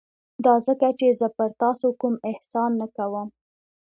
دا ځکه چې زه پر تاسو کوم احسان نه کوم.